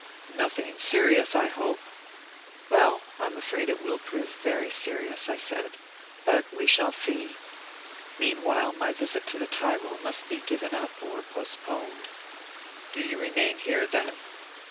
"Nothing serious, I hope?" "Well, I'm afraid it will prove very serious," I said. "But we shall see. Meanwhile my visit to the Tyrol must be given up or postponed." "Do you remain here, then?"